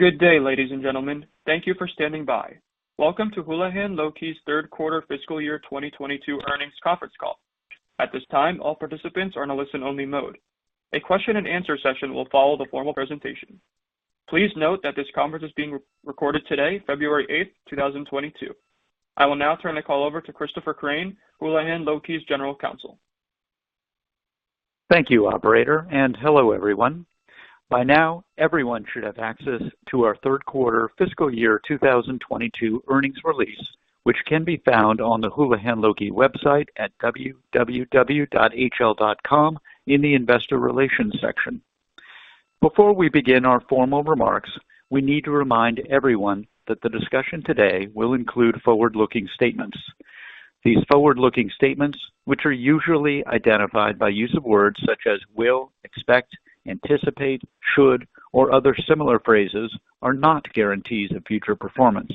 Good day, ladies and gentlemen. Thank you for standing by. Welcome to Houlihan Lokey's third quarter fiscal year 2022 earnings conference call. At this time, all participants are in a listen-only mode. A question-and-answer session will follow the formal presentation. Please note that this conference is being re-recorded today, February 8, 2022. I will now turn the call over to Christopher Crain, Houlihan Lokey's General Counsel. Thank you, operator, and hello, everyone. By now, everyone should have access to our third quarter fiscal year 2022 earnings release, which can be found on the Houlihan Lokey website at www.hl.com in the investor relations section. Before we begin our formal remarks, we need to remind everyone that the discussion today will include forward-looking statements. These forward-looking statements, which are usually identified by use of words such as will, expect, anticipate, should, or other similar phrases, are not guarantees of future performance.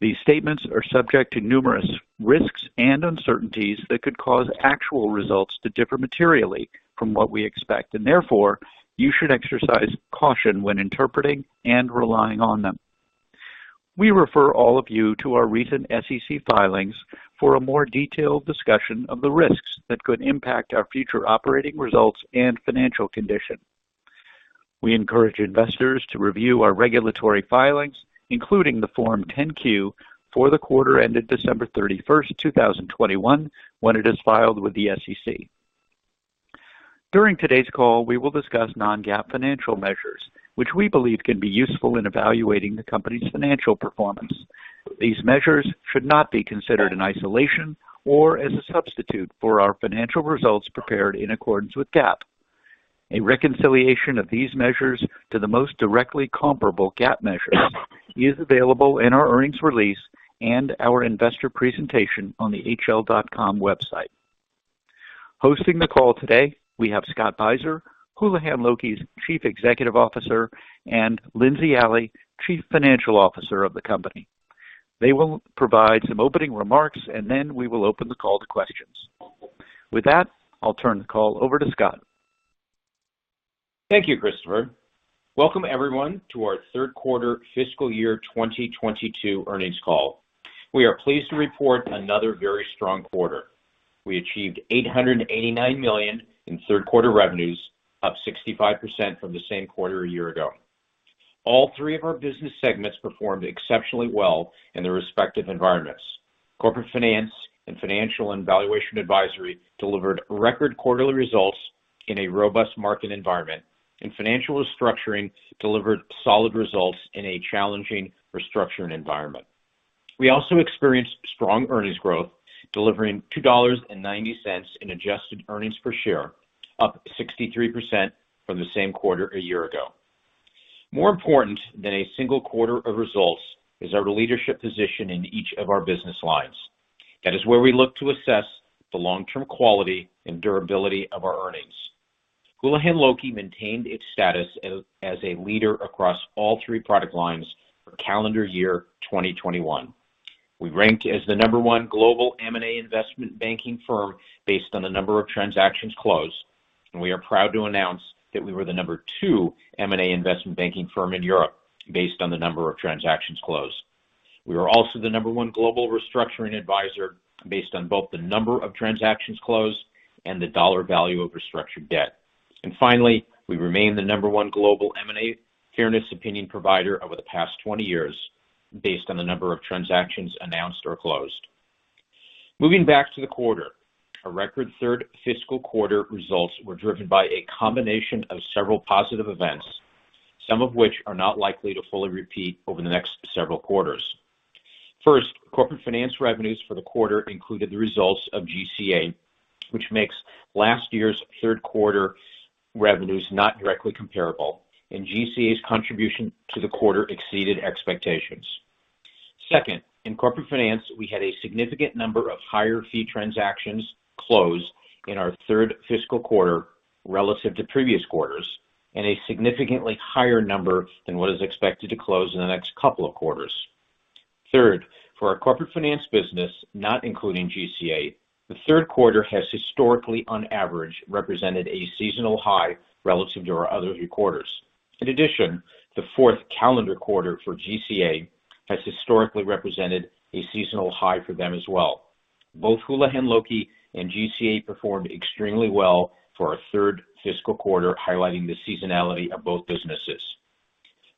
These statements are subject to numerous risks and uncertainties that could cause actual results to differ materially from what we expect. Therefore, you should exercise caution when interpreting and relying on them. We refer all of you to our recent SEC filings for a more detailed discussion of the risks that could impact our future operating results and financial condition. We encourage investors to review our regulatory filings, including the Form 10-Q for the quarter ended December 31st, 2021, when it is filed with the SEC. During today's call, we will discuss non-GAAP financial measures, which we believe can be useful in evaluating the company's financial performance. These measures should not be considered in isolation or as a substitute for our financial results prepared in accordance with GAAP. A reconciliation of these measures to the most directly comparable GAAP measures is available in our earnings release and our investor presentation on the hl.com website. Hosting the call today, we have Scott Beiser, Houlihan Lokey's Chief Executive Officer, and Lindsey Alley, Chief Financial Officer of the company. They will provide some opening remarks, and then we will open the call to questions. With that, I'll turn the call over to Scott. Thank you, Christopher. Welcome everyone to our third quarter fiscal year 2022 earnings call. We are pleased to report another very strong quarter. We achieved $889 million in third quarter revenues, up 65% from the same quarter a year ago. All three of our business segments performed exceptionally well in their respective environments. Corporate Finance and Financial and Valuation Advisory delivered record quarterly results in a robust market environment. Financial Restructuring delivered solid results in a challenging restructuring environment. We also experienced strong earnings growth, delivering $2.90 in adjusted earnings per share, up 63% from the same quarter a year ago. More important than a single quarter of results is our leadership position in each of our business lines. That is where we look to assess the long-term quality and durability of our earnings. Houlihan Lokey maintained its status as a leader across all three product lines for calendar year 2021. We ranked as the number one global M&A investment banking firm based on the number of transactions closed, and we are proud to announce that we were the number two M&A investment banking firm in Europe based on the number of transactions closed. We were also the number one global restructuring advisor based on both the number of transactions closed and the dollar value of restructured debt. Finally, we remain the number one global M&A fairness opinion provider over the past 20 years based on the number of transactions announced or closed. Moving back to the quarter. Our record third fiscal quarter results were driven by a combination of several positive events, some of which are not likely to fully repeat over the next several quarters. First, Corporate Finance revenues for the quarter included the results of GCA, which makes last year's third quarter revenues not directly comparable. GCA's contribution to the quarter exceeded expectations. Second, in Corporate Finance, we had a significant number of higher fee transactions closed in our third fiscal quarter relative to previous quarters, and a significantly higher number than what is expected to close in the next couple of quarters. Third, for our Corporate Finance business, not including GCA, the third quarter has historically on average represented a seasonal high relative to our other three quarters. In addition, the fourth calendar quarter for GCA has historically represented a seasonal high for them as well. Both Houlihan Lokey and GCA performed extremely well for our third fiscal quarter, highlighting the seasonality of both businesses.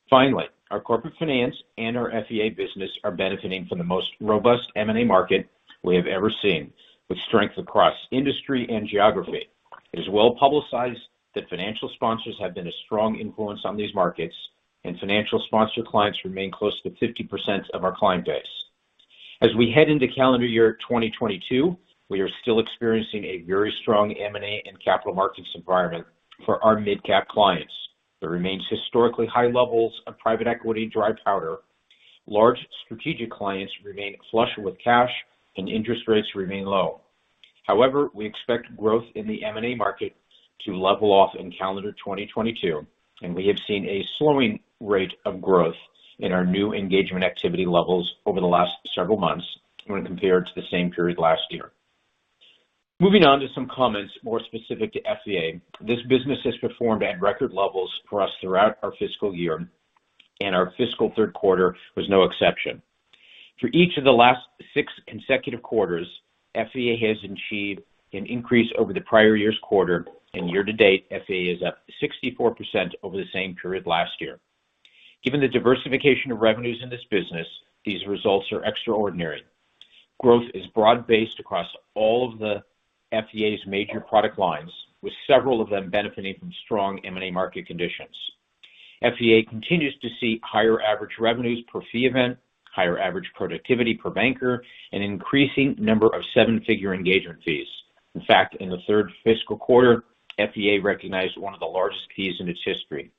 Finally, our corporate finance and our FVA business are benefiting from the most robust M&A market we have ever seen, with strength across industry and geography. It is well publicized that financial sponsors have been a strong influence on these markets, and financial sponsor clients remain close to 50% of our client base. As we head into calendar year 2022, we are still experiencing a very strong M&A and capital markets environment for our mid-cap clients. There remains historically high levels of private equity dry powder. Large strategic clients remain flush with cash, and interest rates remain low. However, we expect growth in the M&A market to level off in calendar 2022, and we have seen a slowing rate of growth in our new engagement activity levels over the last several months when compared to the same period last year. Moving on to some comments more specific to FVA. This business has performed at record levels for us throughout our fiscal year, and our fiscal third quarter was no exception. For each of the last 6 consecutive quarters, FVA has achieved an increase over the prior year's quarter and year-to-date, FVA is up 64% over the same period last year. Given the diversification of revenues in this business, these results are extraordinary. Growth is broad-based across all of the FVA's major product lines, with several of them benefiting from strong M&A market conditions. FVA continues to see higher average revenues per fee event, higher average productivity per banker, and increasing number of seven-figure engagement fees. In fact, in the third fiscal quarter, FVA recognized one of the largest fees in its history.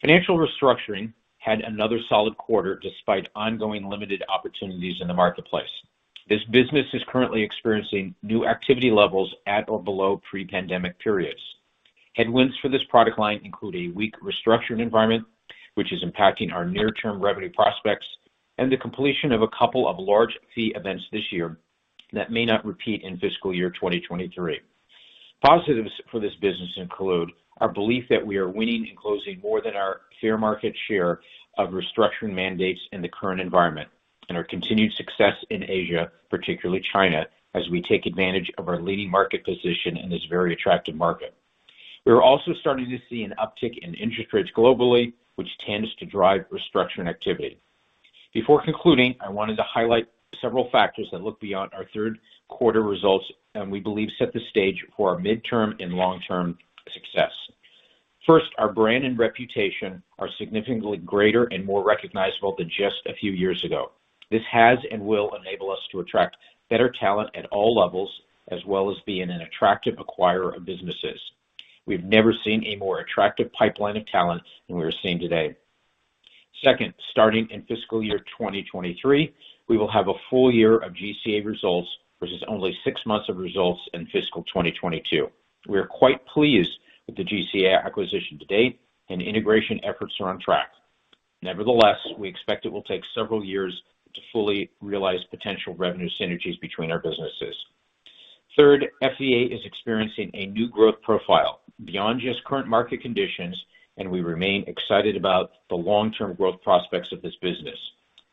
Financial Restructuring had another solid quarter despite ongoing limited opportunities in the marketplace. This business is currently experiencing new activity levels at or below pre-pandemic periods. Headwinds for this product line include a weak restructuring environment, which is impacting our near-term revenue prospects and the completion of a couple of large fee events this year that may not repeat in fiscal year 2023. Positives for this business include our belief that we are winning and closing more than our fair market share of restructuring mandates in the current environment and our continued success in Asia, particularly China, as we take advantage of our leading market position in this very attractive market. We are also starting to see an uptick in interest rates globally, which tends to drive restructuring activity. Before concluding, I wanted to highlight several factors that look beyond our third quarter results and we believe set the stage for our midterm and long-term success. First, our brand and reputation are significantly greater and more recognizable than just a few years ago. This has and will enable us to attract better talent at all levels as well as being an attractive acquirer of businesses. We've never seen a more attractive pipeline of talent than we are seeing today. Second, starting in fiscal year 2023, we will have a full year of GCA results versus only six months of results in fiscal 2022. We are quite pleased with the GCA acquisition to date and integration efforts are on track. Nevertheless, we expect it will take several years to fully realize potential revenue synergies between our businesses. Third, FVA is experiencing a new growth profile beyond just current market conditions, and we remain excited about the long-term growth prospects of this business.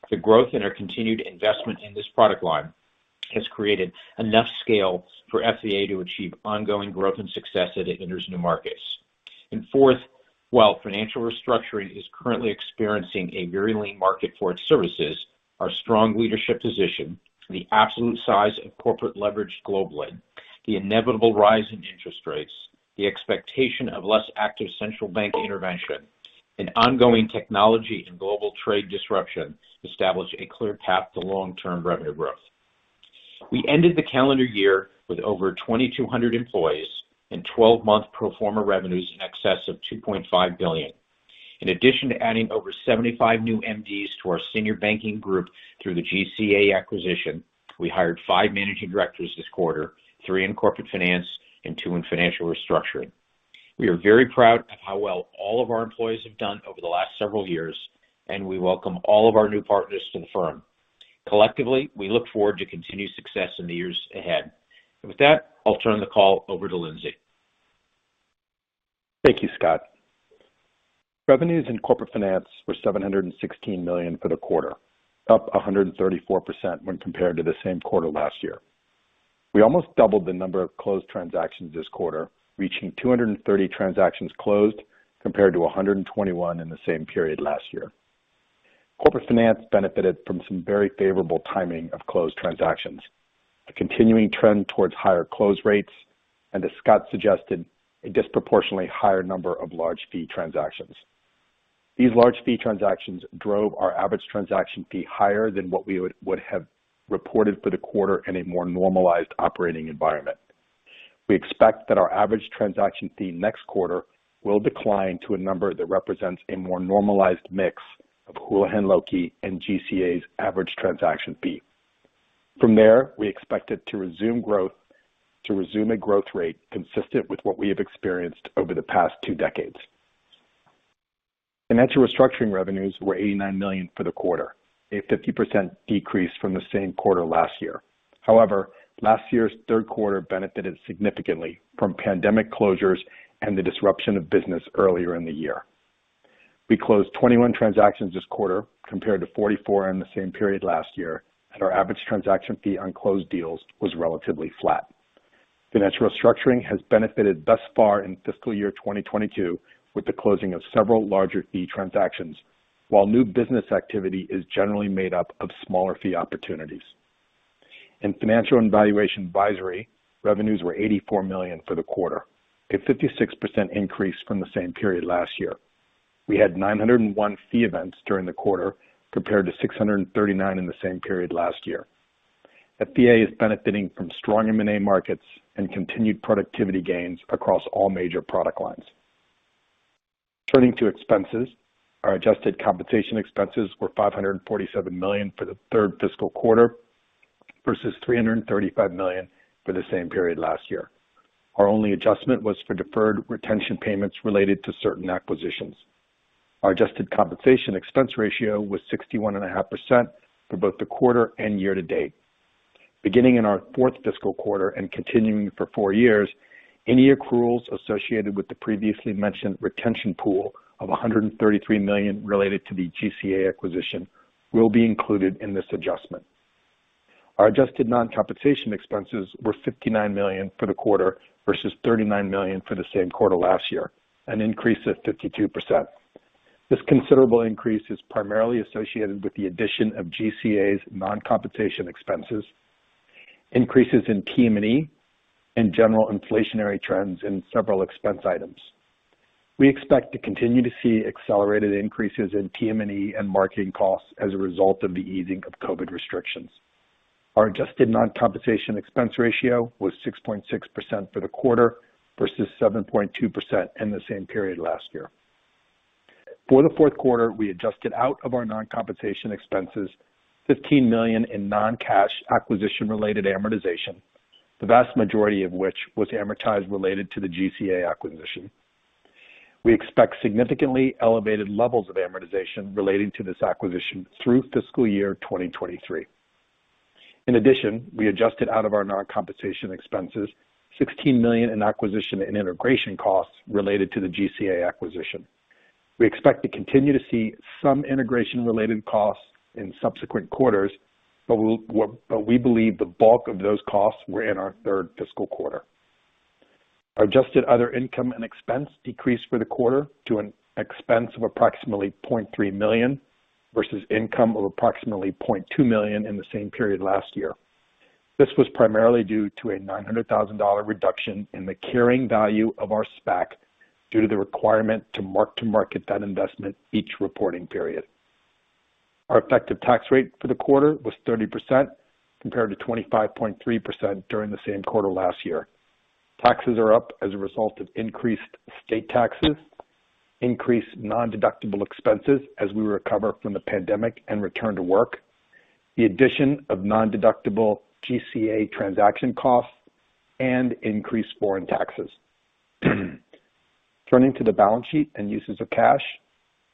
The growth and our continued investment in this product line has created enough scale for FVA to achieve ongoing growth and success as it enters new markets. Fourth, while Financial Restructuring is currently experiencing a very lean market for its services, our strong leadership position, the absolute size of corporate leverage globally, the inevitable rise in interest rates, the expectation of less active central bank intervention and ongoing technology and global trade disruption establish a clear path to long-term revenue growth. We ended the calendar year with over 2,200 employees and 12-month pro forma revenues in excess of $2.5 billion. In addition to adding over 75 new MDs to our senior banking group through the GCA acquisition, we hired five managing directors this quarter, three in Corporate Finance and two in Financial Restructuring. We are very proud of how well all of our employees have done over the last several years, and we welcome all of our new partners to the firm. Collectively, we look forward to continued success in the years ahead. With that, I'll turn the call over to Lindsey. Thank you, Scott. Revenues in Corporate Finance were $716 million for the quarter, up 134% when compared to the same quarter last year. We almost doubled the number of closed transactions this quarter, reaching 230 transactions closed compared to 121 in the same period last year. Corporate Finance benefited from some very favorable timing of closed transactions, a continuing trend towards higher close rates, and as Scott suggested, a disproportionately higher number of large fee transactions. These large fee transactions drove our average transaction fee higher than what we would have reported for the quarter in a more normalized operating environment. We expect that our average transaction fee next quarter will decline to a number that represents a more normalized mix of Houlihan Lokey and GCA's average transaction fee. From there, we expect it to resume a growth rate consistent with what we have experienced over the past two decades. Financial Restructuring revenues were $89 million for the quarter, a 50% decrease from the same quarter last year. However, last year's third quarter benefited significantly from pandemic closures and the disruption of business earlier in the year. We closed 21 transactions this quarter compared to 44 in the same period last year, and our average transaction fee on closed deals was relatively flat. Financial Restructuring has benefited thus far in fiscal year 2022 with the closing of several larger fee transactions while new business activity is generally made up of smaller fee opportunities. In Financial and Valuation Advisory, revenues were $84 million for the quarter, a 56% increase from the same period last year. We had 901 fee events during the quarter, compared to 639 in the same period last year. FVA is benefiting from strong M&A markets and continued productivity gains across all major product lines. Turning to expenses. Our adjusted compensation expenses were $547 million for the third fiscal quarter versus $335 million for the same period last year. Our only adjustment was for deferred retention payments related to certain acquisitions. Our adjusted compensation expense ratio was 61.5% for both the quarter and year-to-date. Beginning in our fourth fiscal quarter and continuing for four years, any accruals associated with the previously mentioned retention pool of $133 million related to the GCA acquisition will be included in this adjustment. Our adjusted non-compensation expenses were $59 million for the quarter versus $39 million for the same quarter last year, an increase of 52%. This considerable increase is primarily associated with the addition of GCA's non-compensation expenses, increases in TM&E and general inflationary trends in several expense items. We expect to continue to see accelerated increases in TM&E and marketing costs as a result of the easing of COVID restrictions. Our adjusted non-compensation expense ratio was 6.6% for the quarter versus 7.2% in the same period last year. For the fourth quarter, we adjusted out of our non-compensation expenses $15 million in non-cash acquisition-related amortization, the vast majority of which was amortized related to the GCA acquisition. We expect significantly elevated levels of amortization relating to this acquisition through fiscal year 2023. In addition, we adjusted out of our non-compensation expenses $16 million in acquisition and integration costs related to the GCA acquisition. We expect to continue to see some integration-related costs in subsequent quarters, but we believe the bulk of those costs were in our third fiscal quarter. Our adjusted other income and expense decreased for the quarter to an expense of approximately $0.3 million versus income of approximately $0.2 million in the same period last year. This was primarily due to a $900,000 reduction in the carrying value of our SPAC due to the requirement to mark-to-market that investment each reporting period. Our effective tax rate for the quarter was 30% compared to 25.3% during the same quarter last year. Taxes are up as a result of increased state taxes, increased non-deductible expenses as we recover from the pandemic and return to work, the addition of non-deductible GCA transaction costs and increased foreign taxes. Turning to the balance sheet and uses of cash.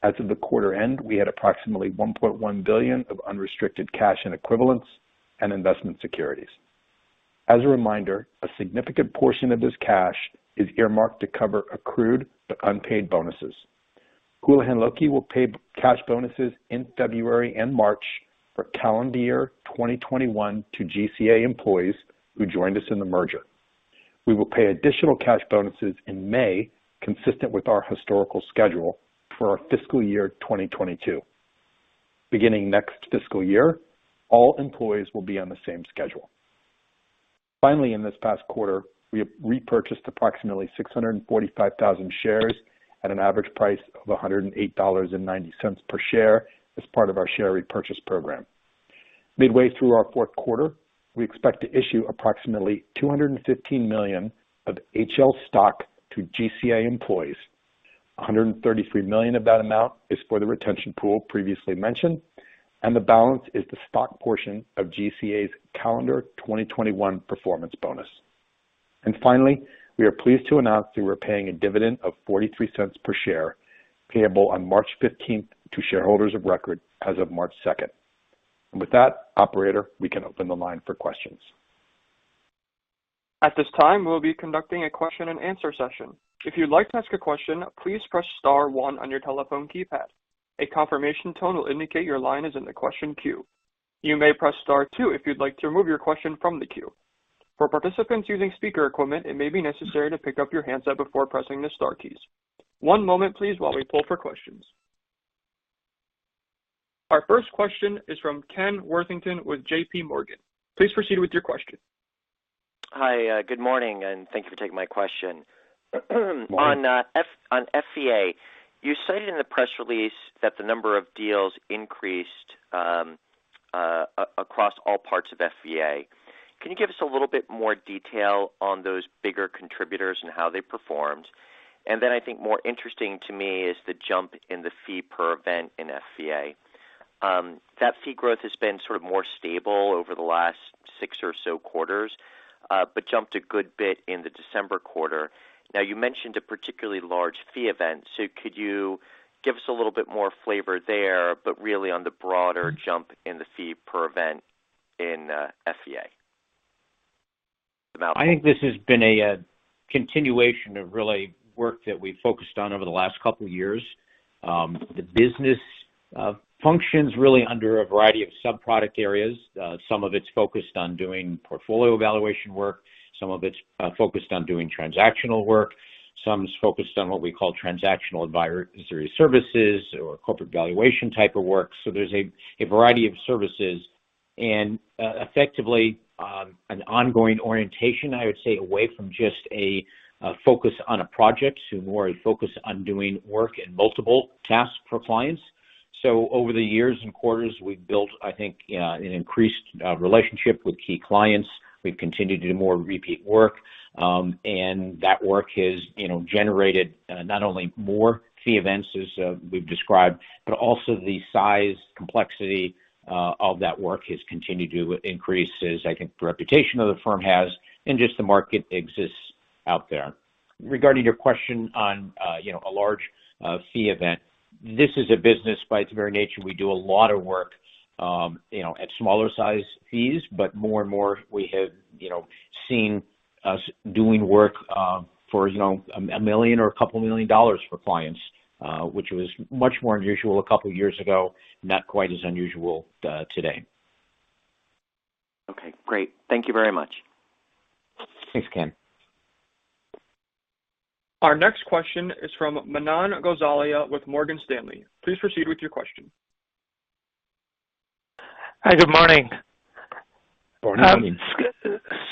As of the quarter end, we had approximately $1.1 billion of unrestricted cash equivalents and investment securities. As a reminder, a significant portion of this cash is earmarked to cover accrued but unpaid bonuses. Houlihan Lokey will pay cash bonuses in February and March for calendar year 2021 to GCA employees who joined us in the merger. We will pay additional cash bonuses in May, consistent with our historical schedule for our fiscal year 2022. Beginning next fiscal year, all employees will be on the same schedule. Finally, in this past quarter, we repurchased approximately 645,000 shares at an average price of $108.90 per share as part of our share repurchase program. Midway through our fourth quarter, we expect to issue approximately 215 million of HL stock to GCA employees. 133 million of that amount is for the retention pool previously mentioned, and the balance is the stock portion of GCA's calendar 2021 performance bonus. Finally, we are pleased to announce that we're paying a dividend of $0.43 per share, payable on March 15th to shareholders of record as of March 2nd. With that, operator, we can open the line for questions. At this time, we'll be conducting a question-and-answer session. If you'd like to ask a question, please press star one on your telephone keypad. A confirmation tone will indicate your line is in the question queue. You may press star two if you'd like to remove your question from the queue. For participants using speaker equipment, it may be necessary to pick up your handset before pressing the star keys. One moment please while we pull for questions. Our first question is from Ken Worthington with JP Morgan. Please proceed with your question. Hi, good morning, and thank you for taking my question. Morning. On FVA, you cited in the press release that the number of deals increased across all parts of FVA. Can you give us a little bit more detail on those bigger contributors and how they performed? Then I think more interesting to me is the jump in the fee per event in FVA. That fee growth has been sort of more stable over the last six or so quarters, but jumped a good bit in the December quarter. Now, you mentioned a particularly large fee event, so could you give us a little bit more flavor there, but really on the broader jump in the fee per event in FVA? I think this has been a continuation of really work that we focused on over the last couple of years. The business functions really under a variety of sub-product areas. Some of it's focused on doing portfolio valuation work, some of it's focused on doing transactional work, some is focused on what we call transactional advisory services or corporate valuation type of work. There's a variety of services and effectively an ongoing orientation, I would say, away from just a focus on a project to more a focus on doing work in multiple tasks for clients. Over the years and quarters, we've built, I think, an increased relationship with key clients. We've continued to do more repeat work. That work has, you know, generated not only more fee events as we've described, but also the size, complexity of that work has continued to increase as I think the reputation of the firm has and just the market exists. Out there. Regarding your question on, you know, a large fee event, this is a business by its very nature. We do a lot of work, you know, at smaller size fees, but more and more we have, you know, seen us doing work for, you know, $1 million or $2 million for clients, which was much more unusual two years ago, not quite as unusual today. Okay, great. Thank you very much. Thanks, Ken. Our next question is from Manan Gosalia with Morgan Stanley. Please proceed with your question. Hi, good morning. Good morning.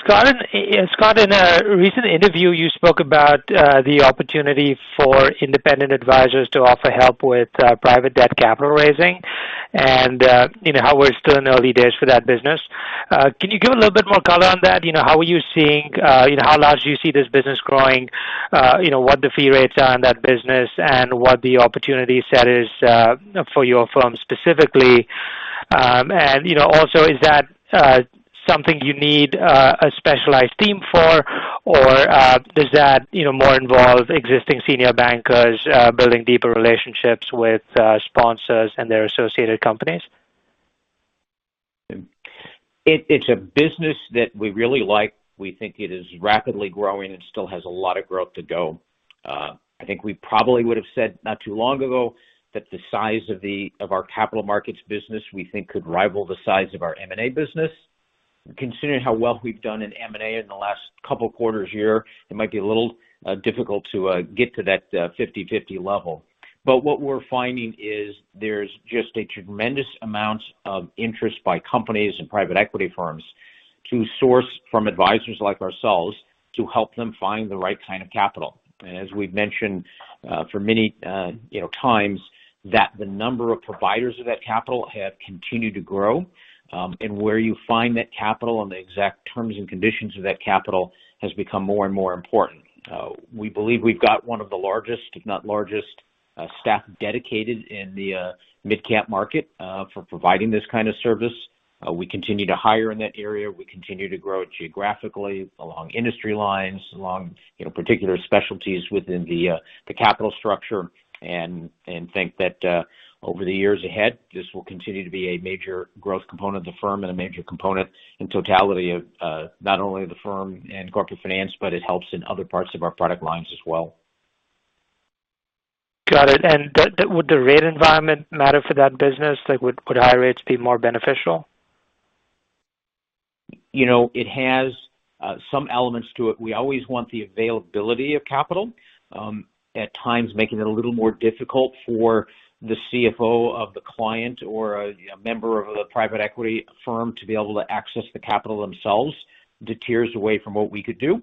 Scott, in a recent interview, you spoke about the opportunity for independent advisors to offer help with private debt capital raising and, you know, how we're still in the early days for that business. Can you give a little bit more color on that? You know, how large do you see this business growing? You know, what the fee rates are in that business and what the opportunity set is, for your firm specifically? And, you know, also, is that something you need a specialized team for or does that more involve existing senior bankers building deeper relationships with sponsors and their associated companies? It's a business that we really like. We think it is rapidly growing and still has a lot of growth to go. I think we probably would have said not too long ago that the size of our capital markets business, we think could rival the size of our M&A business. Considering how well we've done in M&A in the last couple quarters here, it might be a little difficult to get to that 50-50 level. What we're finding is there's just a tremendous amount of interest by companies and private equity firms to source from advisors like ourselves to help them find the right kind of capital. As we've mentioned, for many, you know, times, that the number of providers of that capital have continued to grow, and where you find that capital and the exact terms and conditions of that capital has become more and more important. We believe we've got one of the largest, if not largest, staff dedicated in the mid-cap market for providing this kind of service. We continue to hire in that area. We continue to grow it geographically along industry lines, along, you know, particular specialties within the capital structure and think that, over the years ahead, this will continue to be a major growth component of the firm and a major component in totality of, not only the firm and Corporate Finance, but it helps in other parts of our product lines as well. Got it. Would the rate environment matter for that business? Like, would higher rates be more beneficial? You know, it has some elements to it. We always want the availability of capital. At times, making it a little more difficult for the CFO of the client or a, you know, member of a private equity firm to be able to access the capital themselves deters away from what we could do.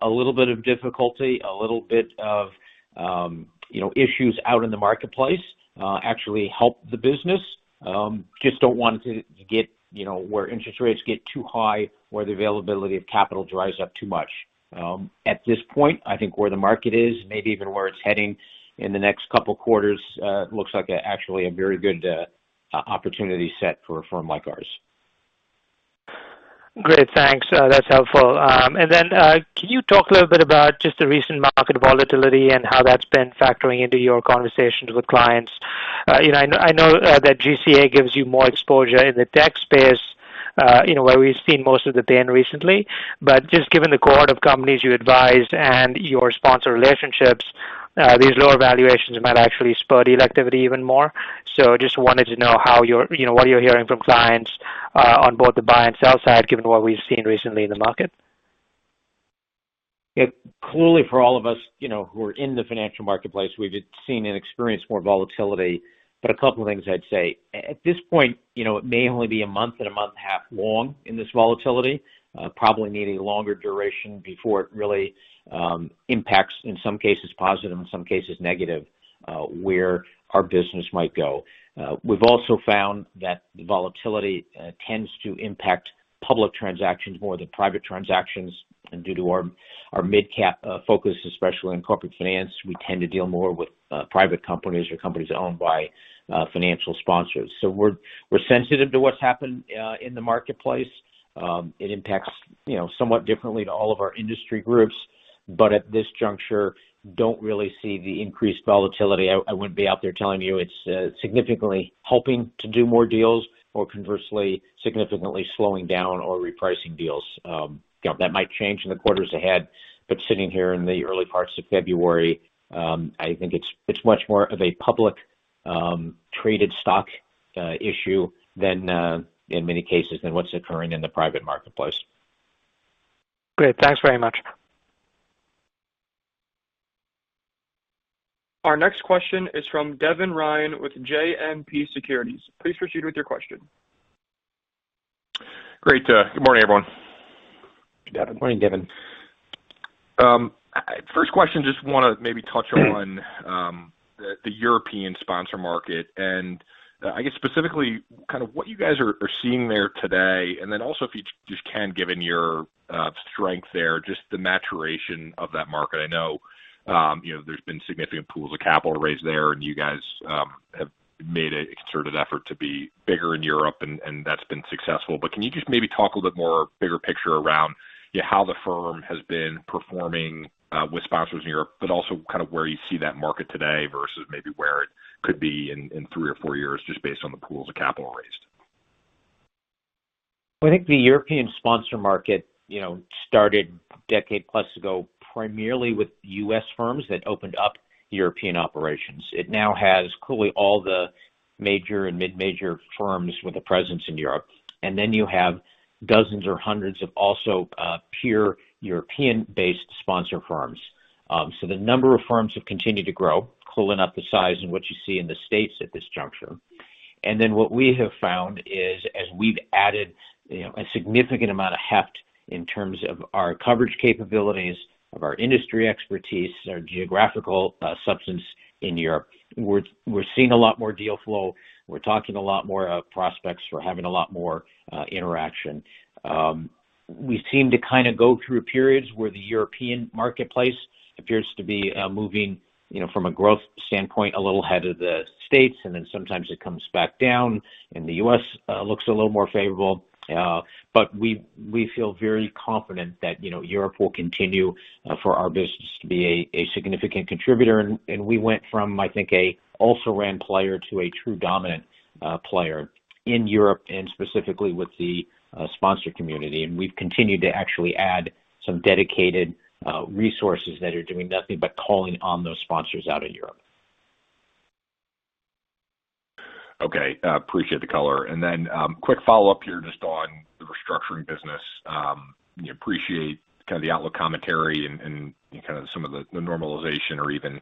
A little bit of difficulty, a little bit of, you know, issues out in the marketplace actually help the business. Just don't want to get, you know, where interest rates get too high or the availability of capital dries up too much. At this point, I think where the market is, maybe even where it's heading in the next couple quarters, looks like actually a very good opportunity set for a firm like ours. Great. Thanks. That's helpful. Can you talk a little bit about just the recent market volatility and how that's been factoring into your conversations with clients? You know, I know that GCA gives you more exposure in the tech space, you know, where we've seen most of the pain recently. Just given the cohort of companies you advise and your sponsor relationships, these lower valuations might actually spur deal activity even more. Just wanted to know how you're you know what you're hearing from clients, on both the buy and sell side, given what we've seen recently in the market. Yeah. Clearly, for all of us, you know, who are in the financial marketplace, we've seen and experienced more volatility. A couple of things I'd say. At this point, you know, it may only be a month and a half long in this volatility. Probably need a longer duration before it really impacts in some cases, positive, in some cases negative, where our business might go. We've also found that the volatility tends to impact public transactions more than private transactions. Due to our mid-cap focus, especially in Corporate Finance, we tend to deal more with private companies or companies owned by financial sponsors. We're sensitive to what's happened in the marketplace. It impacts, you know, somewhat differently to all of our industry groups, but at this juncture, don't really see the increased volatility. I wouldn't be out there telling you it's significantly helping to do more deals or conversely, significantly slowing down or repricing deals. You know, that might change in the quarters ahead, but sitting here in the early parts of February, I think it's much more of a publicly traded stock issue than in many cases what's occurring in the private marketplace. Great. Thanks very much. Our next question is from Devin Ryan with JMP Securities. Please proceed with your question. Great. Good morning, everyone. Good morning. Morning, Devin. First question, just wanna maybe touch on the European sponsor market, and I guess specifically kind of what you guys are seeing there today. Then also if you just can, given your strength there, just the maturation of that market. I know you know, there's been significant pools of capital raised there, and you guys have made a concerted effort to be bigger in Europe and that's been successful. Can you just maybe talk a little bit more big picture around how the firm has been performing with sponsors in Europe, but also kind of where you see that market today versus maybe where it could be in three or four years just based on the pools of capital raised? I think the European sponsor market, you know, started a decade-plus ago, primarily with U.S. firms that opened up European operations. It now has clearly all the major and mid-major firms with a presence in Europe. You have dozens or hundreds of also pure European-based sponsor firms. The number of firms have continued to grow, clearly not the size and what you see in the States at this juncture. What we have found is as we've added, you know, a significant amount of heft in terms of our coverage capabilities, of our industry expertise, our geographical substance in Europe, we're seeing a lot more deal flow. We're talking a lot more of prospects. We're having a lot more interaction. We seem to kinda go through periods where the European marketplace appears to be moving, you know, from a growth standpoint, a little ahead of the States, and then sometimes it comes back down, and the U.S. looks a little more favorable. We feel very confident that, you know, Europe will continue for our business to be a significant contributor. We went from, I think, an also-ran player to a true dominant player in Europe and specifically with the sponsor community. We've continued to actually add some dedicated resources that are doing nothing but calling on those sponsors out of Europe. Okay. Appreciate the color. Then, quick follow-up here just on the restructuring business. Appreciate kind of the outlook commentary and kind of some of the normalization or even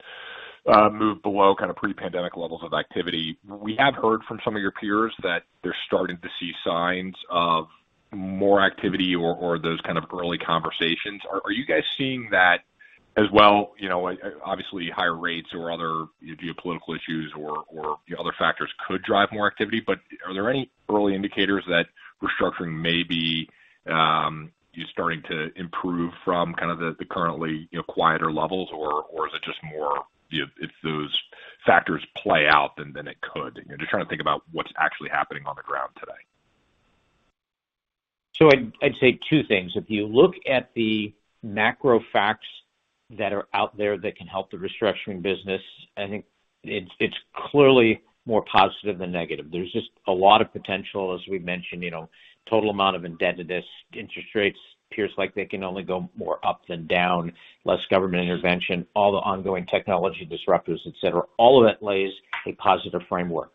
move below kind of pre-pandemic levels of activity. We have heard from some of your peers that they're starting to see signs of more activity or those kind of early conversations. Are you guys seeing that as well? You know, obviously higher rates or other geopolitical issues or other factors could drive more activity. Are there any early indicators that restructuring may be starting to improve from kind of the currently, you know, quieter levels? Or is it just more if those factors play out than it could? Just trying to think about what's actually happening on the ground today. I'd say two things. If you look at the macro facts that are out there that can help the restructuring business, I think it's clearly more positive than negative. There's just a lot of potential, as we've mentioned, you know, total amount of indebtedness, interest rates appears like they can only go more up than down, less government intervention, all the ongoing technology disruptors, et cetera. All of that lays a positive framework.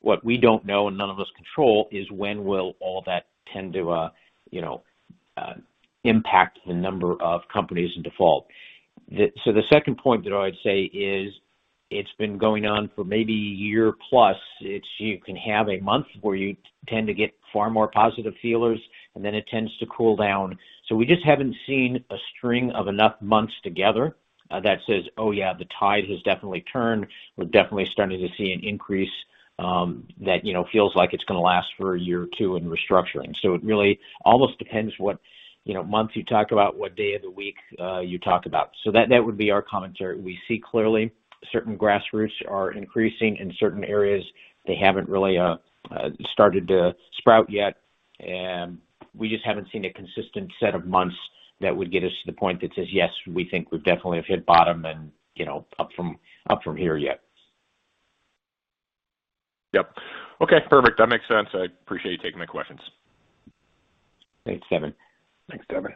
What we don't know, and none of us control is when will all that tend to, you know, impact the number of companies in default. The second point that I would say is it's been going on for maybe a year plus. It's you can have a month where you tend to get far more positive feelers, and then it tends to cool down. We just haven't seen a string of enough months together that says, "Oh, yeah, the tide has definitely turned. We're definitely starting to see an increase that you know feels like it's gonna last for a year or two in restructuring." It really almost depends what month you talk about, what day of the week you talk about. That would be our commentary. We see clearly certain grassroots are increasing. In certain areas, they haven't really started to sprout yet. We just haven't seen a consistent set of months that would get us to the point that says, "Yes, we think we definitely have hit bottom and you know up from here yet. Yep. Okay, perfect. That makes sense. I appreciate you taking my questions. Thanks, Devin. Thanks, Devin.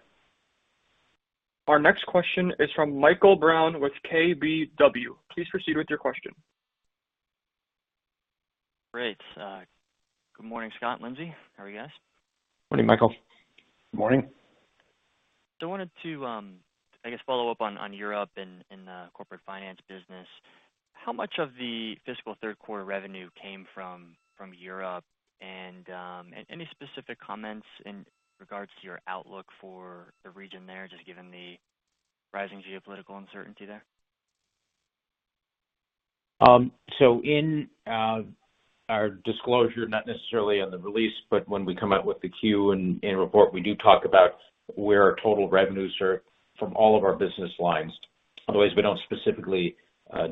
Our next question is from Michael Brown with KBW. Please proceed with your question. Great. Good morning, Scott and Lindsey. How are you guys? Morning, Michael. Good morning. I wanted to, I guess, follow up on Europe and corporate finance business. How much of the fiscal third quarter revenue came from Europe? Any specific comments in regards to your outlook for the region there, just given the rising geopolitical uncertainty there? In our disclosure, not necessarily on the release, but when we come out with the 10-Q report, we do talk about where our total revenues are from all of our business lines. Otherwise, we don't specifically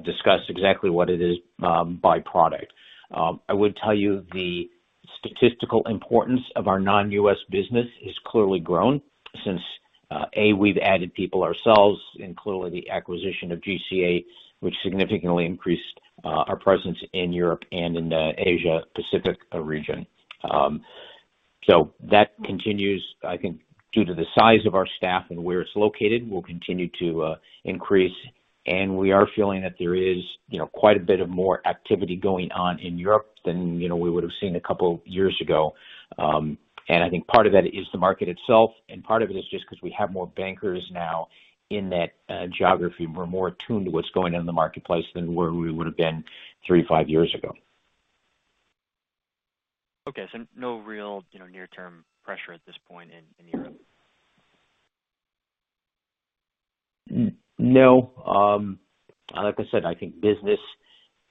discuss exactly what it is by product. I would tell you the statistical importance of our non-U.S. business has clearly grown since we've added people ourselves, including the acquisition of GCA, which significantly increased our presence in Europe and in the Asia-Pacific region. That continues. I think due to the size of our staff and where it's located, we'll continue to increase. We are feeling that there is, you know, quite a bit more activity going on in Europe than, you know, we would have seen a couple years ago. I think part of that is the market itself, and part of it is just 'cause we have more bankers now in that geography. We're more attuned to what's going on in the marketplace than where we would have been 3-5 years ago. Okay. No real, you know, near-term pressure at this point in Europe? No. Like I said, I think business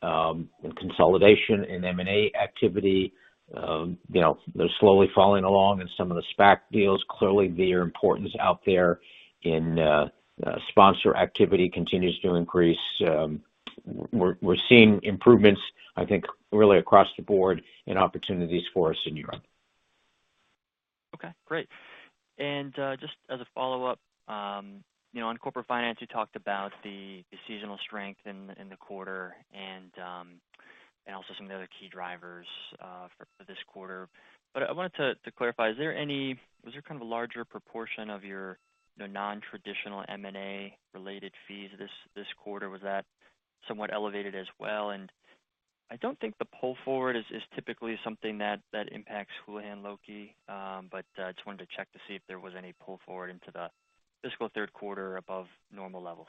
and consolidation in M&A activity, you know, they're slowly following along, and some of the SPAC deals, clearly they are important out there, and sponsor activity continues to increase. We're seeing improvements, I think, really across the board in opportunities for us in Europe. Okay, great. Just as a follow-up, you know, on Corporate Finance, you talked about the seasonal strength in the quarter and also some of the other key drivers for this quarter. But I wanted to clarify, was there kind of a larger proportion of your, you know, non-traditional M&A related fees this quarter? Was that somewhat elevated as well? I don't think the pull forward is typically something that impacts Houlihan Lokey. Just wanted to check to see if there was any pull forward into the fiscal third quarter above normal levels.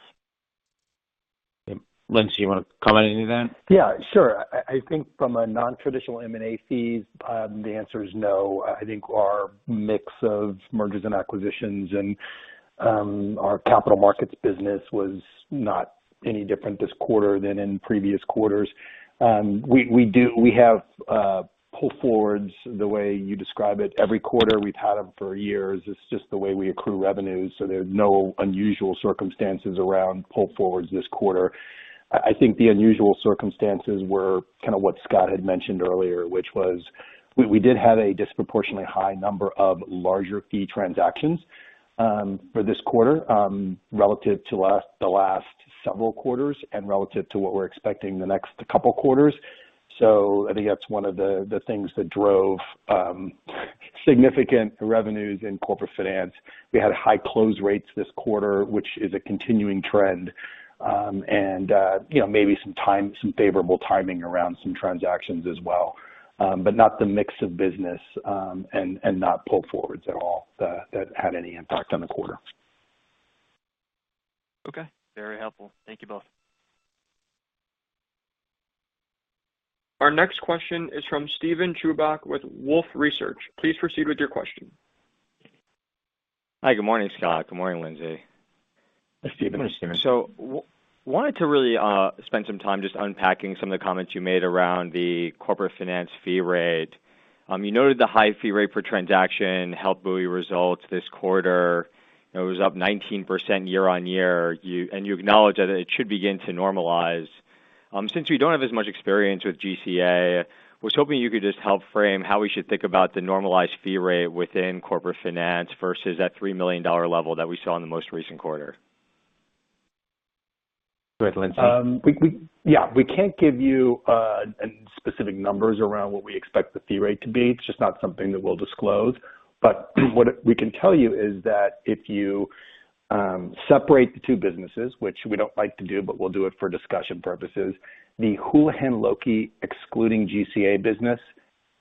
Lindsey, you wanna comment on any of that? Yeah, sure. I think from a non-traditional M&A fees, the answer is no. I think our mix of mergers and acquisitions and our capital markets business was not any different this quarter than in previous quarters. We have pull forwards the way you describe it every quarter. We've had them for years. It's just the way we accrue revenues, so there's no unusual circumstances around pull forwards this quarter. I think the unusual circumstances were kinda what Scott had mentioned earlier, which was we did have a disproportionately high number of larger fee transactions for this quarter relative to the last several quarters and relative to what we're expecting the next couple quarters. I think that's one of the things that drove significant revenues in Corporate Finance. We had high close rates this quarter, which is a continuing trend, and maybe some favorable timing around some transactions as well, not the mix of business, and not pull forwards at all that had any impact on the quarter. Okay, very helpful. Thank you both. Our next question is from Steven Chubak with Wolfe Research. Please proceed with your question. Hi. Good morning, Scott. Good morning, Lindsey. Hi, Steven. Good morning, Steven. Wanted to really spend some time just unpacking some of the comments you made around the corporate finance fee rate. You noted the high fee rate per transaction helped buoy results this quarter. It was up 19% year-on-year. You acknowledge that it should begin to normalize. Since we don't have as much experience with GCA, I was hoping you could just help frame how we should think about the normalized fee rate within corporate finance versus that $3 million level that we saw in the most recent quarter. Go ahead, Lindsey. Yeah, we can't give you specific numbers around what we expect the fee rate to be. It's just not something that we'll disclose. What we can tell you is that if you separate the two businesses, which we don't like to do, but we'll do it for discussion purposes, the Houlihan Lokey excluding GCA business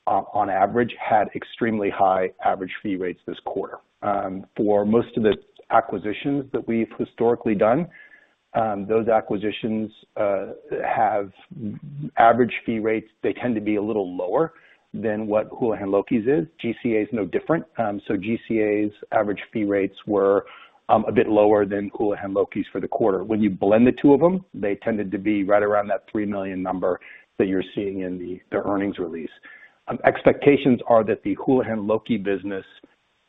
on average had extremely high average fee rates this quarter. For most of the acquisitions that we've historically done, those acquisitions have average fee rates. They tend to be a little lower than what Houlihan Lokey's is. GCA is no different. GCA's average fee rates were a bit lower than Houlihan Lokey's for the quarter. When you blend the two of them, they tended to be right around that $3 million number that you're seeing in the earnings release. Expectations are that the Houlihan Lokey business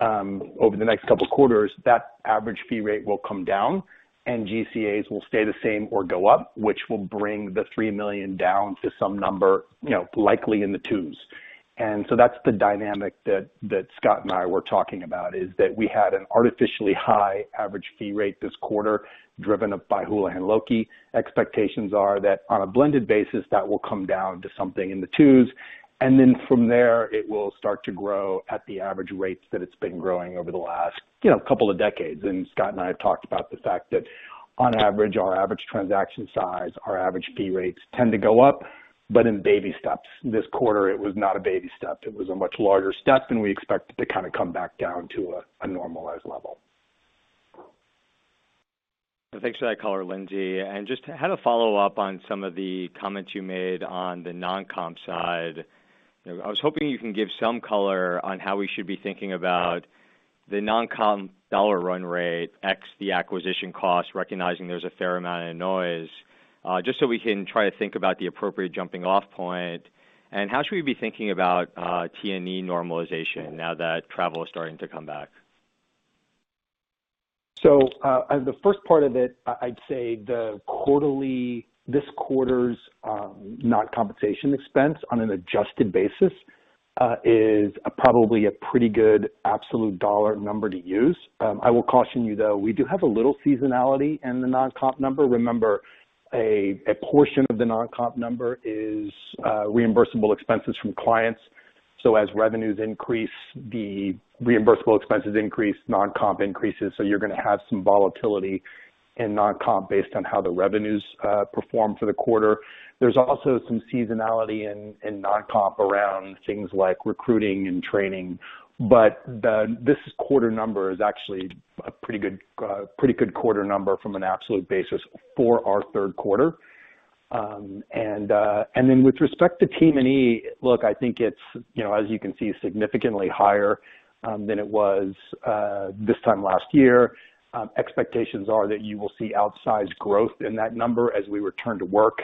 over the next couple quarters, that average fee rate will come down and GCA's will stay the same or go up, which will bring the $3 million down to some number, you know, likely in the twos. That's the dynamic that Scott and I were talking about, is that we had an artificially high average fee rate this quarter, driven up by Houlihan Lokey. Expectations are that on a blended basis, that will come down to something in the twos, and then from there, it will start to grow at the average rates that it's been growing over the last, you know, couple of decades. Scott and I have talked about the fact that on average, our average transaction size, our average fee rates tend to go up, but in baby steps. This quarter, it was not a baby step. It was a much larger step than we expected to kinda come back down to a normalized level. Thanks for that color, Lindsey. Just had a follow-up on some of the comments you made on the non-comp side. I was hoping you can give some color on how we should be thinking about the non-comp dollar run rate X the acquisition cost, recognizing there's a fair amount of noise, just so we can try to think about the appropriate jumping off point. How should we be thinking about T&E normalization now that travel is starting to come back? As the first part of it, I'd say this quarter's non-compensation expense on an adjusted basis is probably a pretty good absolute dollar number to use. I will caution you, though, we do have a little seasonality in the non-comp number. Remember, a portion of the non-comp number is reimbursable expenses from clients. So as revenues increase, the reimbursable expenses increase, non-comp increases. So you're gonna have some volatility in non-comp based on how the revenues perform for the quarter. There's also some seasonality in non-comp around things like recruiting and training. This quarter number is actually a pretty good quarter number from an absolute basis for our third quarter. With respect to TM&E, look, I think it's, you know, as you can see, significantly higher than it was this time last year. Expectations are that you will see outsized growth in that number as we return to work.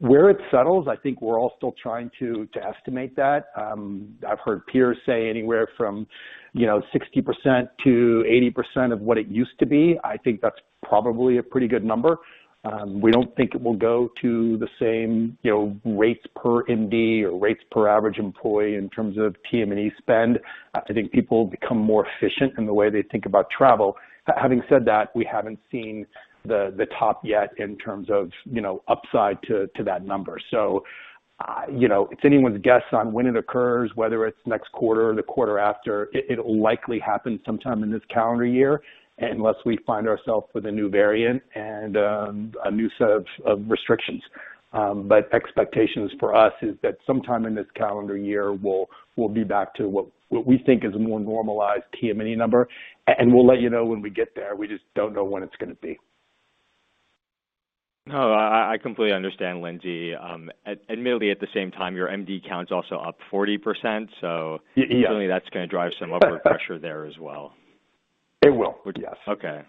Where it settles, I think we're all still trying to estimate that. I've heard peers say anywhere from, you know, 60%-80% of what it used to be. I think that's probably a pretty good number. We don't think it will go to the same, you know, rates per MD or rates per average employee in terms of TM&E spend. I think people become more efficient in the way they think about travel. Having said that, we haven't seen the top yet in terms of, you know, upside to that number. You know, it's anyone's guess on when it occurs, whether it's next quarter or the quarter after. It'll likely happen sometime in this calendar year, unless we find ourselves with a new variant and a new set of restrictions. Expectations for us is that sometime in this calendar year, we'll be back to what we think is a more normalized TM&E number. We'll let you know when we get there. We just don't know when it's gonna be. No, I completely understand, Lindsey. Admittedly, at the same time, your MD count is also up 40%, so- Y-yeah Certainly that's gonna drive some upward pressure there as well. It will, yes. Okay.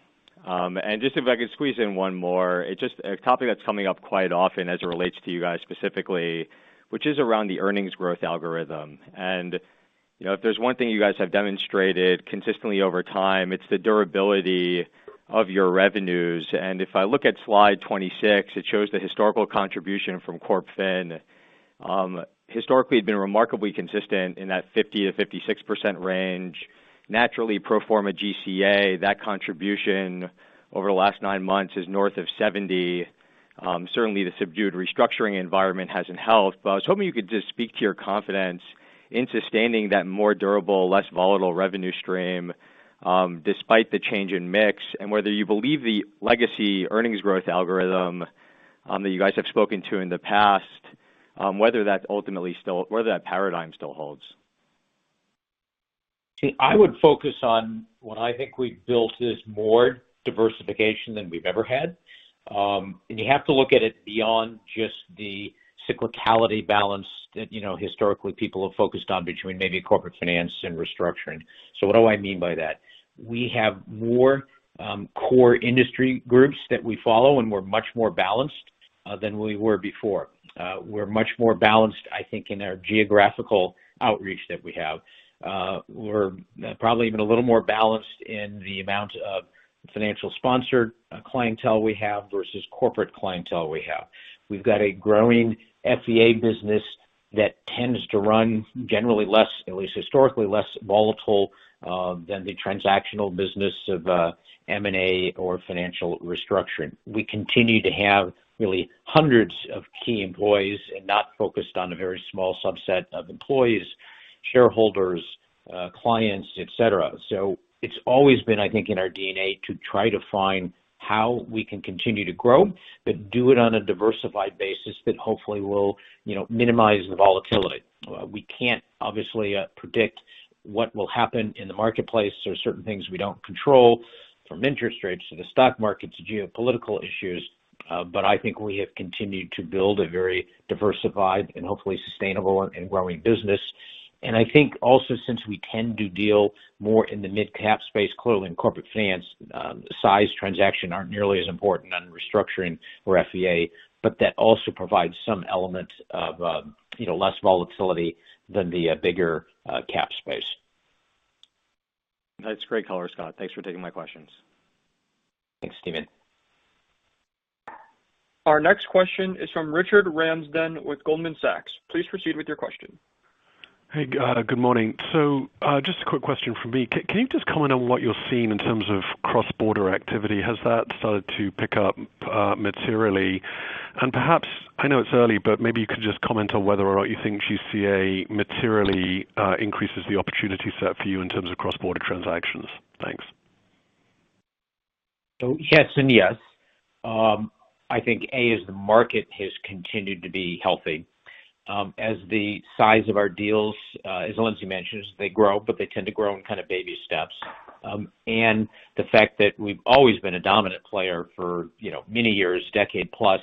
Just if I could squeeze in one more. It's just a topic that's coming up quite often as it relates to you guys specifically, which is around the earnings growth algorithm. You know, if there's one thing you guys have demonstrated consistently over time, it's the durability of your revenues. If I look at slide 26, it shows the historical contribution from Corp Fin, historically had been remarkably consistent in that 50%-56% range. Naturally, pro forma GCA, that contribution over the last nine months is north of 70%. Certainly the subdued restructuring environment hasn't helped, but I was hoping you could just speak to your confidence in sustaining that more durable, less volatile revenue stream, despite the change in mix, and whether you believe the legacy earnings growth algorithm that you guys have spoken to in the past, whether that paradigm still holds. See, I would focus on what I think we've built is more diversification than we've ever had. You have to look at it beyond just the cyclicality balance that, you know, historically people have focused on between maybe Corporate Finance and Restructuring. What do I mean by that? We have more core industry groups that we follow, and we're much more balanced than we were before. We're much more balanced, I think, in our geographical outreach that we have. We're probably even a little more balanced in the amount of financial sponsor clientele we have versus corporate clientele we have. We've got a growing FVA business that tends to run generally less, at least historically, less volatile than the transactional business of M&A or Financial Restructuring. We continue to have really hundreds of key employees and not focused on a very small subset of employees, shareholders, clients, et cetera. It's always been, I think, in our DNA to try to find how we can continue to grow but do it on a diversified basis that hopefully will, you know, minimize the volatility. We can't obviously predict what will happen in the marketplace. There are certain things we don't control, from interest rates to the stock market to geopolitical issues. I think we have continued to build a very diversified and hopefully sustainable and growing business. I think also since we tend to deal more in the mid-cap space, clearly in Corporate Finance, size of transactions aren't nearly as important in restructuring or FVA, but that also provides some element of, you know, less volatility than the bigger cap space. That's great color, Scott. Thanks for taking my questions. Thanks, Steven. Our next question is from Richard Ramsden with Goldman Sachs. Please proceed with your question. Hey, good morning. Just a quick question from me. Can you just comment on what you're seeing in terms of cross-border activity? Has that started to pick up materially? Perhaps, I know it's early, but maybe you could just comment on whether or not you think GCA materially increases the opportunity set for you in terms of cross-border transactions. Thanks. Yes and yes. I think as is the market has continued to be healthy. As the size of our deals, as Lindsey mentions, they grow, but they tend to grow in kinda baby steps. The fact that we've always been a dominant player for, you know, many years, decade plus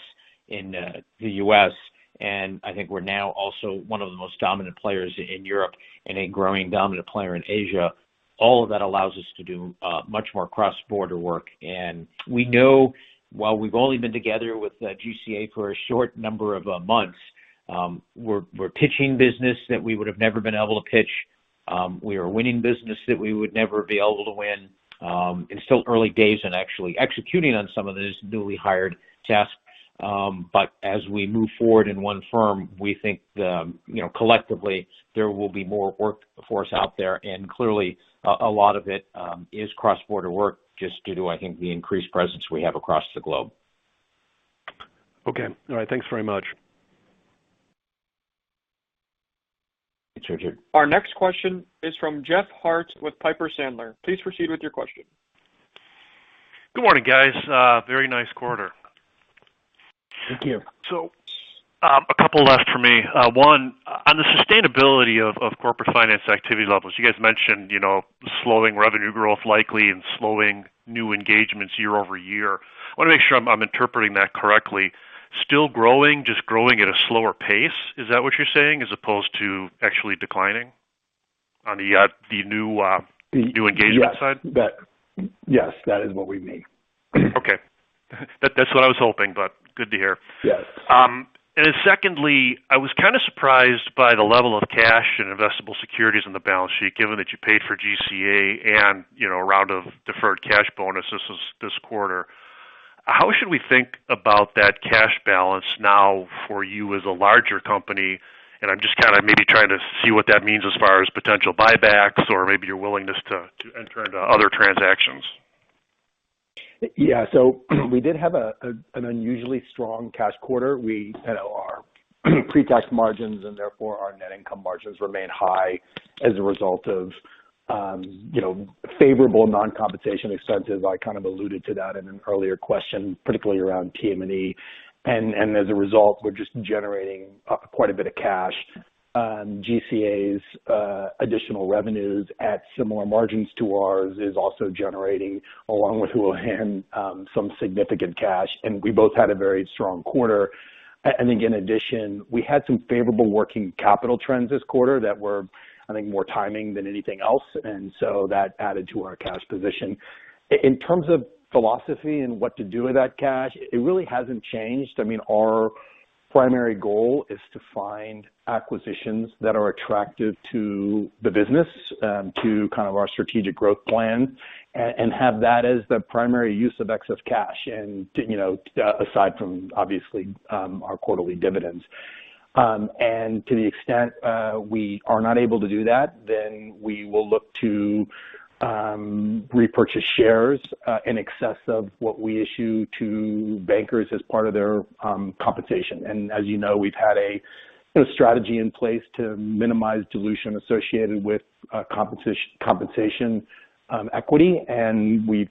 in the U.S., and I think we're now also one of the most dominant players in Europe and a growing dominant player in Asia, all of that allows us to do much more cross-border work. We know while we've only been together with GCA for a short number of months, we're pitching business that we would have never been able to pitch. We are winning business that we would never be able to win. It's still early days and actually executing on some of these newly hired tasks. As we move forward in one firm, we think, you know, collectively there will be more work for us out there. Clearly, a lot of it is cross-border work just due to, I think, the increased presence we have across the globe. Okay. All right. Thanks very much. Thanks, Richard. Our next question is from Jeff Harte with Piper Sandler. Please proceed with your question. Good morning, guys. Very nice quarter. Thank you. A couple left for me. One, on the sustainability of Corporate Finance activity levels, you guys mentioned, you know, slowing revenue growth likely and slowing new engagements year-over-year. I wanna make sure I'm interpreting that correctly. Still growing, just growing at a slower pace. Is that what you're saying as opposed to actually declining on the new engagement side? Yes, that is what we mean. Okay. That's what I was hoping, but good to hear. Yes. Secondly, I was kinda surprised by the level of cash and investable securities on the balance sheet, given that you paid for GCA and, you know, a round of deferred cash bonus. This is quarter. How should we think about that cash balance now for you as a larger company? I'm just kinda maybe trying to see what that means as far as potential buybacks or maybe your willingness to enter into other transactions. Yeah. We did have an unusually strong cash quarter. We had our pre-tax margins and therefore our net income margins remain high as a result of, you know, favorable non-compensation expenses. I kind of alluded to that in an earlier question, particularly around TM&E. As a result, we're just generating quite a bit of cash. GCA's additional revenues at similar margins to ours is also generating, along with Houlihan, some significant cash. We both had a very strong quarter. I think in addition, we had some favorable working capital trends this quarter that were, I think, more timing than anything else. That added to our cash position. In terms of philosophy and what to do with that cash, it really hasn't changed. I mean, our primary goal is to find acquisitions that are attractive to the business, to kind of our strategic growth plan and have that as the primary use of excess cash and to, you know, aside from obviously, our quarterly dividends. To the extent we are not able to do that, then we will look to repurchase shares in excess of what we issue to bankers as part of their compensation. As you know, we've had a strategy in place to minimize dilution associated with compensation equity. We've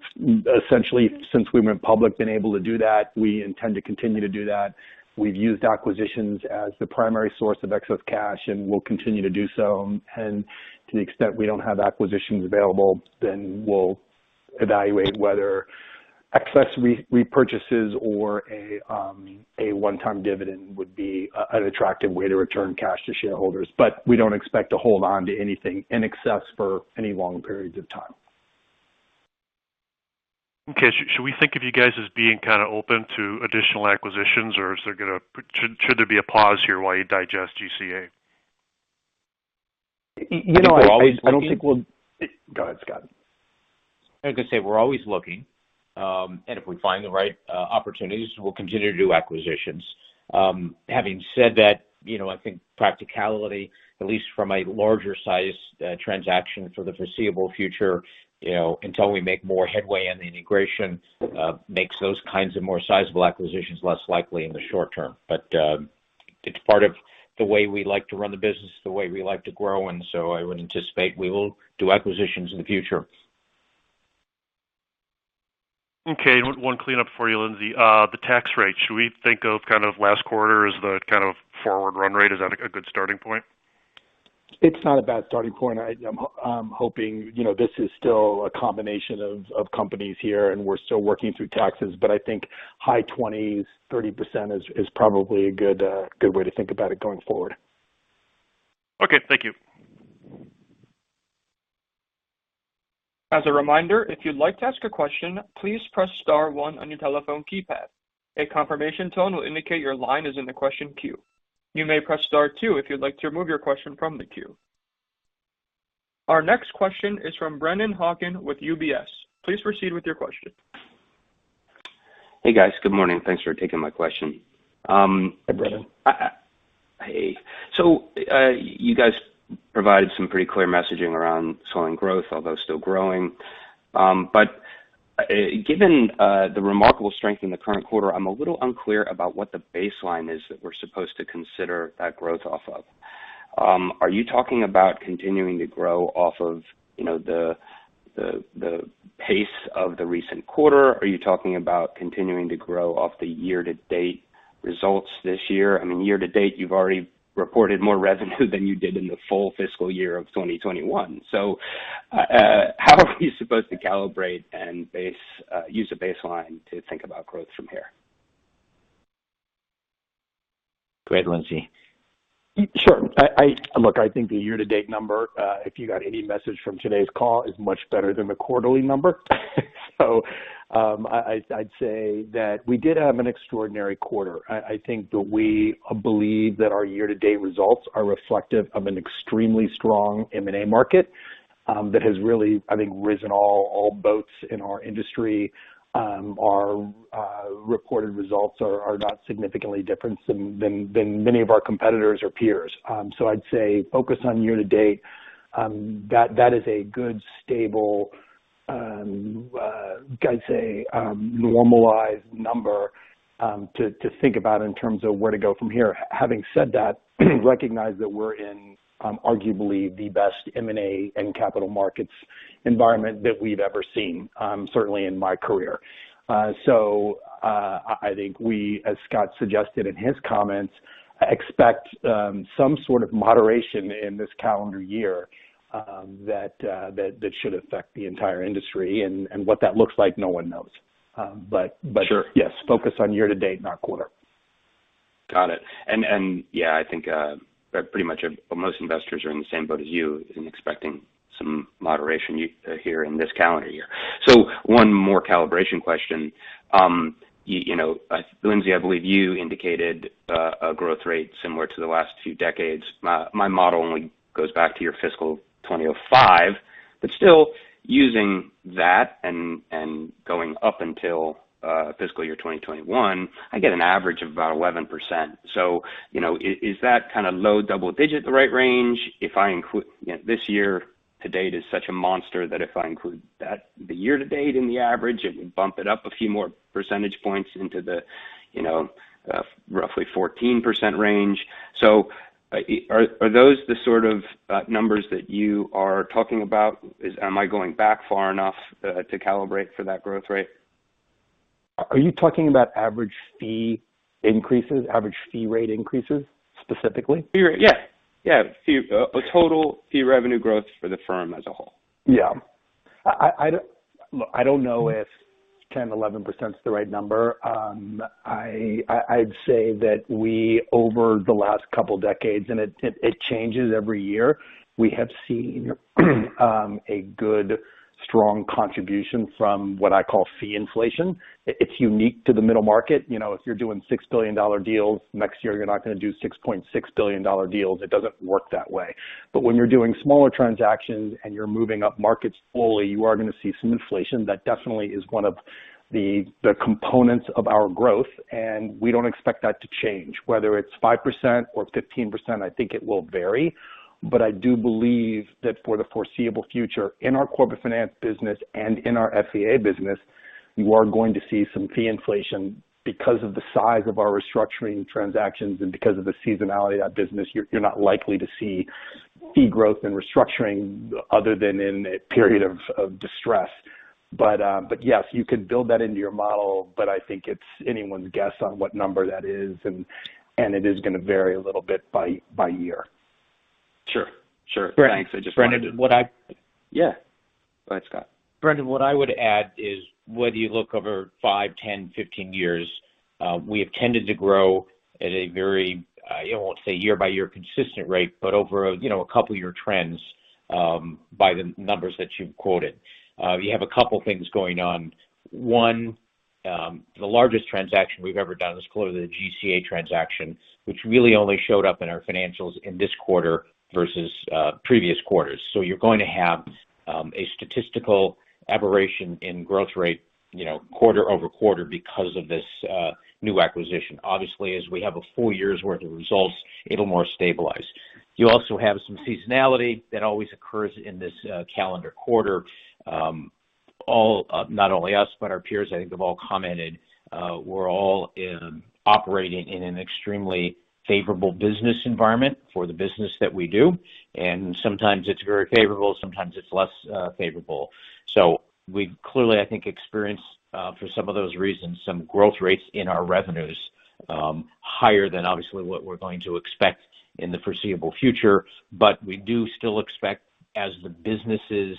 essentially, since we went public, been able to do that. We intend to continue to do that. We've used acquisitions as the primary source of excess cash, and we'll continue to do so. To the extent we don't have acquisitions available, then we'll evaluate whether excess repurchases or a one-time dividend would be an attractive way to return cash to shareholders. We don't expect to hold on to anything in excess for any long periods of time. Okay. Should we think of you guys as being kind of open to additional acquisitions, or should there be a pause here while you digest GCA? You know, I don't think we'll. We're always looking. Go ahead, Scott. I was gonna say, we're always looking. If we find the right opportunities, we'll continue to do acquisitions. Having said that, you know, I think practicality, at least from a larger size transaction for the foreseeable future, you know, until we make more headway in the integration, makes those kinds of more sizable acquisitions less likely in the short term. It's part of the way we like to run the business, the way we like to grow, and so I would anticipate we will do acquisitions in the future. Okay. One cleanup for you, Lindsey. The tax rate. Should we think of kind of last quarter as the kind of forward run rate? Is that a good starting point? It's not a bad starting point. I'm hoping, you know, this is still a combination of companies here, and we're still working through taxes, but I think high 20s-30% is probably a good way to think about it going forward. Okay, thank you. As a reminder, if you'd like to ask a question, please press star one on your telephone keypad. A confirmation tone will indicate your line is in the question queue. You may press star two if you'd like to remove your question from the queue. Our next question is from Brennan Hawken with UBS. Please proceed with your question. Hey, guys. Good morning. Thanks for taking my question. Hi, Brennan. Hey. You guys provided some pretty clear messaging around slowing growth, although still growing. Given the remarkable strength in the current quarter, I'm a little unclear about what the baseline is that we're supposed to consider that growth off of. Are you talking about continuing to grow off of, you know, the pace of the recent quarter? Are you talking about continuing to grow off the year-to-date results this year? I mean, year-to-date, you've already reported more revenue than you did in the full fiscal year of 2021. How are we supposed to calibrate and use a baseline to think about growth from here? Go ahead, Lindsey. Sure. Look, I think the year-to-date number, if you got any message from today's call, is much better than the quarterly number. I'd say that we did have an extraordinary quarter. I think that we believe that our year-to-date results are reflective of an extremely strong M&A market that has really risen all boats in our industry. Our reported results are not significantly different than many of our competitors or peers. I'd say focus on year-to-date. That is a good, stable, I'd say, normalized number to think about in terms of where to go from here. Having said that, recognize that we're in arguably the best M&A and capital markets environment that we've ever seen, certainly in my career. I think we, as Scott suggested in his comments, expect some sort of moderation in this calendar year that should affect the entire industry. What that looks like, no one knows. Sure. Yes, focus on year-to-date, not quarter. Got it. Yeah, I think that pretty much most investors are in the same boat as you in expecting some moderation here in this calendar year. One more calibration question. You know, Lindsey, I believe you indicated a growth rate similar to the last few decades. My model only goes back to your fiscal 2005, but still using that and going up until fiscal year 2021, I get an average of about 11%. You know, is that kind of low double digit the right range? If I include this year-to-date, this year-to-date is such a monster that if I include that, the year-to-date in the average, it would bump it up a few more percentage points into the, you know, roughly 14% range. Are those the sort of numbers that you are talking about? Am I going back far enough to calibrate for that growth rate? Are you talking about average fee increases, average fee rate increases specifically? Fee rate. Yeah, yeah. Total fee revenue growth for the firm as a whole. Yeah. Look, I don't know if 10%-11% is the right number. I'd say that we over the last couple decades, and it changes every year. We have seen a good strong contribution from what I call fee inflation. It's unique to the middle market. You know, if you're doing $6 billion deals, next year you're not gonna do $6.6 billion deals. It doesn't work that way. But when you're doing smaller transactions and you're moving up markets slowly, you are gonna see some inflation. That definitely is one of the components of our growth, and we don't expect that to change. Whether it's 5% or 15%, I think it will vary. I do believe that for the foreseeable future in our corporate finance business and in our FVA business, you are going to see some fee inflation because of the size of our restructuring transactions and because of the seasonality of that business. You're not likely to see fee growth and restructuring other than in a period of distress. Yes, you can build that into your model, but I think it's anyone's guess on what number that is. It is gonna vary a little bit by year. Sure. Thanks. I just wanted to- Brennan, what I- Yeah. Go ahead, Scott. Brennan, what I would add is whether you look over five, 10, 15 years, we have tended to grow at a very, I won't say year by year consistent rate, but over, you know, a couple year trends, by the numbers that you've quoted. You have a couple things going on. One, the largest transaction we've ever done is clearly the GCA transaction, which really only showed up in our financials in this quarter versus previous quarters. You're going to have a statistical aberration in growth rate, you know, quarter-over-quarter because of this new acquisition. Obviously, as we have a full year's worth of results, it'll more stabilize. You also have some seasonality that always occurs in this calendar quarter. Not only us, but our peers, I think they've all commented, we're all operating in an extremely favorable business environment for the business that we do, and sometimes it's very favorable, sometimes it's less favorable. We've clearly, I think, experienced, for some of those reasons, some growth rates in our revenues, higher than obviously what we're going to expect in the foreseeable future. We do still expect, as the business's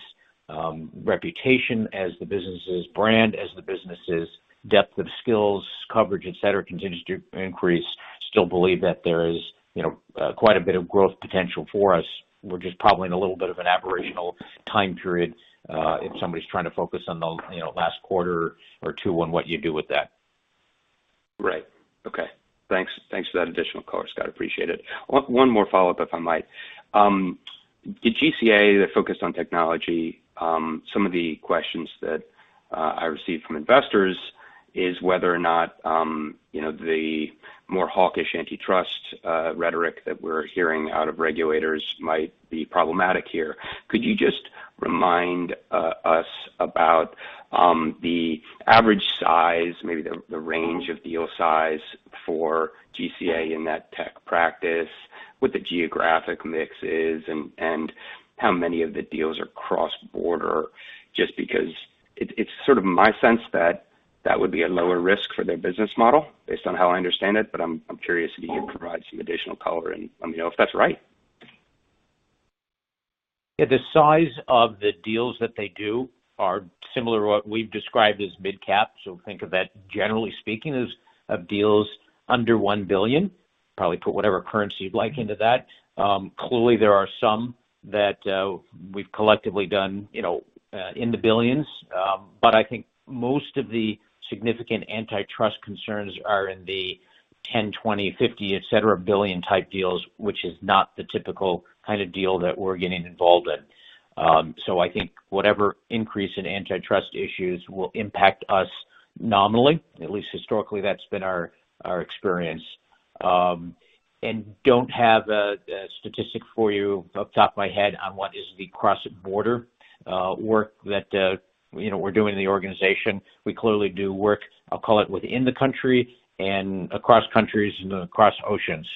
reputation, as the business' brand, as the business's depth of skills, coverage, et cetera, continues to increase. We still believe that there is, you know, quite a bit of growth potential for us. We're just probably in a little bit of an aberrational time period, if somebody's trying to focus on the, you know, last quarter or two on what you do with that. Right. Okay. Thanks. Thanks for that additional color, Scott. Appreciate it. One more follow-up, if I might. The GCA that focused on technology, some of the questions that I received from investors is whether or not, you know, the more hawkish antitrust rhetoric that we're hearing out of regulators might be problematic here. Could you just remind us about the average size, maybe the range of deal size for GCA in that tech practice, what the geographic mix is, and how many of the deals are cross-border, just because it's sort of my sense that that would be a lower risk for their business model based on how I understand it, but I'm curious if you can provide some additional color and let me know if that's right. Yeah. The size of the deals that they do are similar to what we've described as mid-cap. Think of that, generally speaking, as deals under $1 billion. Probably put whatever currency you'd like into that. Clearly there are some that we've collectively done, you know, in the billions. I think most of the significant antitrust concerns are in the $10 billion, $20 billion, $50 billion, etc., type deals, which is not the typical kind of deal that we're getting involved in. I think whatever increase in antitrust issues will impact us nominally. At least historically, that's been our experience. I don't have a statistic for you off the top of my head on what is the cross-border work that you know, we're doing in the organization. We clearly do work, I'll call it, within the country and across countries and across oceans.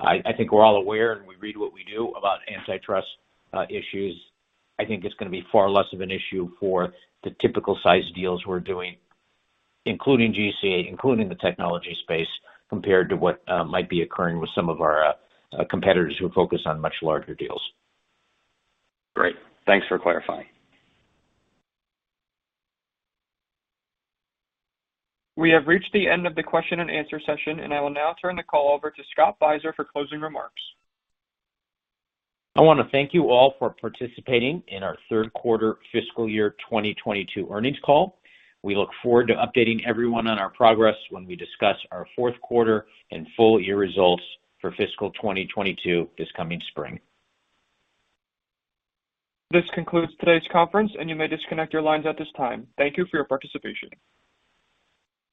I think we're all aware, and we read what we read about antitrust issues. I think it's gonna be far less of an issue for the typical size deals we're doing, including GCA, including the technology space, compared to what might be occurring with some of our competitors who focus on much larger deals. Great. Thanks for clarifying. We have reached the end of the question and answer session, and I will now turn the call over to Scott Beiser for closing remarks. I wanna thank you all for participating in our third quarter fiscal year 2022 earnings call. We look forward to updating everyone on our progress when we discuss our fourth quarter and full year results for fiscal 2022 this coming spring. This concludes today's conference, and you may disconnect your lines at this time. Thank you for your participation.